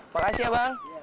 makasih ya bang